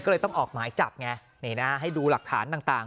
ก็เลยต้องออกหมายจับไงนี่นะให้ดูหลักฐานต่าง